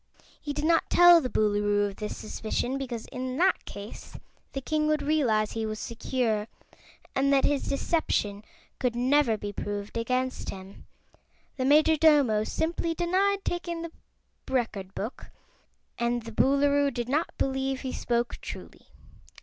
He did not tell the Boolooroo of this suspicion, because in that case the king would realize he was secure, and that his deception could never be proved against him. The Majordomo simply denied taking the Record Book, and the Boolooroo did not believe he spoke truly.